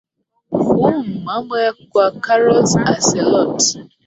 uum mambo kwa carols ancellot